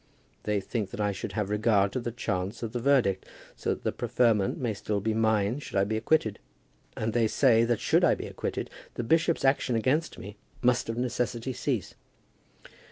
They think that I should have regard to the chance of the verdict, so that the preferment may still be mine should I be acquitted; and they say, that should I be acquitted, the bishop's action against me must of necessity cease.